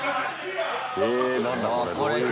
え何だこれ。